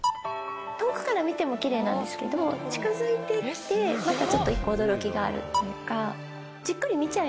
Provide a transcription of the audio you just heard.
遠くから見てもきれいなんですけども近づいてきてまたちょっと１個驚きがあるっていうか。